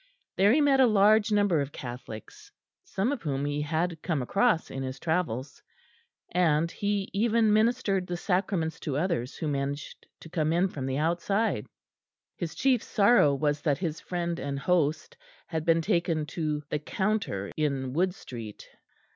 There he met a large number of Catholics some of whom he had come across in his travels and he even ministered the sacraments to others who managed to come in from the outside. His chief sorrow was that his friend and host had been taken to the Counter in Wood Street.